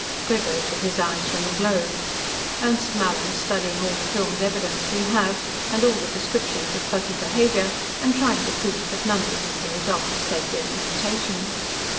Grego took his eyes from the globe. "Ernest Mallin's studying all the filmed evidence we have and all the descriptions of Fuzzy behavior, and trying to prove that none of it is the result of sapient mentation.